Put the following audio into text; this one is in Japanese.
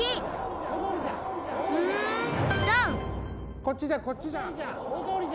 こっちじゃこっちじゃ！